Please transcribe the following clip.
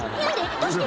どうして？」